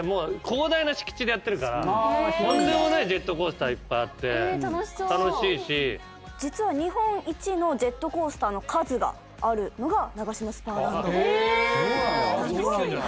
広大な敷地でやってるからとんでもないジェットコースターいっぱいあって楽しいし実は日本一のジェットコースターの数があるのがナガシマスパーランド・へえ・そうなんだ